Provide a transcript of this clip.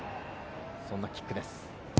そんなキックです。